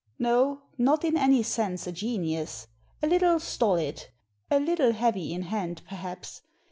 No, not in any sense a genius. A little stolid. A little heavy in hand, perhaps.